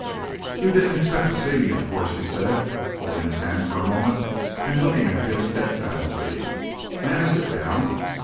"You didn't expect to see me, of course," she said, holding his hand for a moment, and looking at him steadfastly. "May I sit down?"